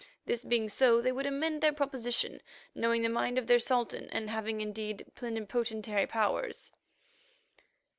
This being so, they would amend their proposition, knowing the mind of their Sultan, and having, indeed, plenipotentiary powers.